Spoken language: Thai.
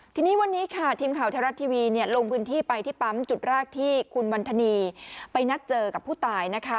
ทีนี้วันนี้ค่ะทีมข่าวไทยรัฐทีวีลงพื้นที่ไปที่ปั๊มจุดแรกที่คุณวันธนีไปนัดเจอกับผู้ตายนะคะ